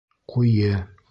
Ҡуйы